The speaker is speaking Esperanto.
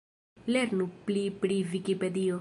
Lernu pli pri Vikipedio.